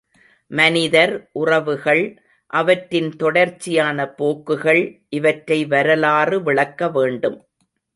மனிதர் உறவுகள், அவற்றின் தொடர்ச்சியான போக்குகள் இவற்றை வரலாறு விளக்கவேண்டும்.